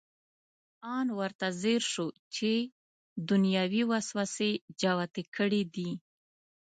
ان ورته ځیر شو چې دنیوي وسوسې جوتې کړې دي.